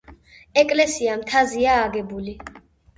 ეკლესია მთაზეა აგებული.